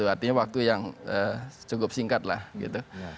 artinya waktu yang cukup singkat lah gitu